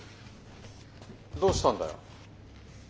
どうしたんだよ？